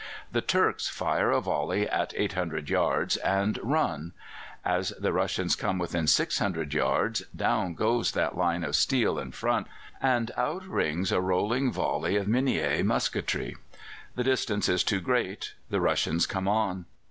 "The Turks fire a volley at 800 yards and run. As the Russians come within 600 yards, down goes that line of steel in front, and out rings a rolling volley of minié musketry. The distance is too great; the Russians come on.